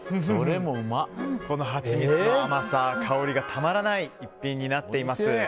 このはちみつの甘さ、香りがたまらない一品になっております。